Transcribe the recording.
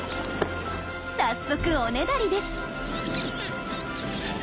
早速おねだりです。